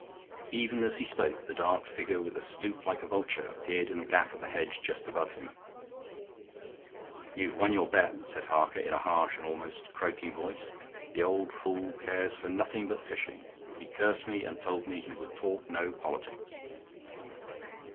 Even as he spoke the dark figure with a stoop like a vulture appeared in the gap of the hedge just above him. "You have won your bet," said Harker, in a harsh and almost croaking voice. "The old fool cares for nothing but fishing. He cursed me and told me he would talk no politics."